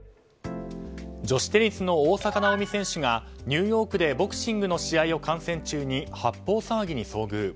女子テニスの大坂なおみ選手がニューヨークでボクシングの試合を観戦中に発砲騒ぎに遭遇。